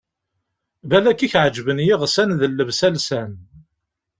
Balak ad k-ɛeǧben yisɣan d llebsa lsan!